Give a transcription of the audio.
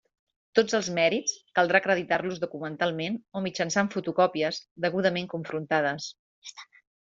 Tots els mèrits caldrà acreditar-los documentalment o mitjançant fotocòpies degudament confrontades.